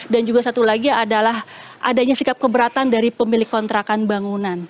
dan juga satu lagi adalah adanya sikap keberatan dari pemilik kontrakan bangunan